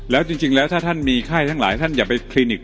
แล้วจริงแล้วถ้าท่านมีไข้ทั้งหลายท่านอย่าไปคลินิก